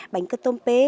bánh cơm tôm pế